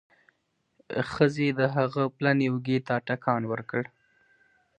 ښځې د هغه پلنې اوږې ته ټکان ورکړ.